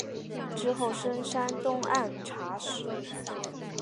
之后升山东按察使。